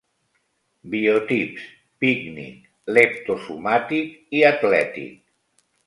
Biotips: pícnic, leptosomàtic i atlètic.